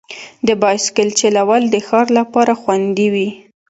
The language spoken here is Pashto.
د بایسکل چلول د ښار لپاره خوندي وي.